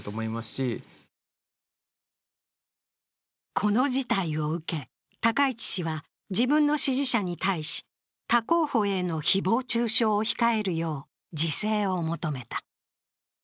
この事態を受け、高市氏は自分の支持者に対し、他候補への誹謗中傷を控えるよう、自制を求めた。